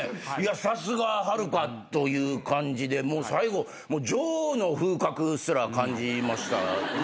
さすがはるかという感じでもう最後女王の風格すら感じましたね。